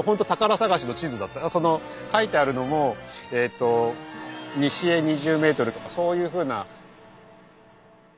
書いてあるのも「西へ２０ｍ」とかそういうふうな。